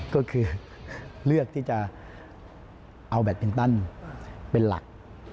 ก็คือเลือกที่จะเอาแบตมินตันเป็นหลัก